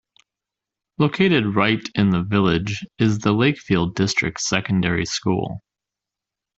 Located right in the village is the Lakefield District Secondary School.